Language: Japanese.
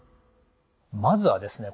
まずはですね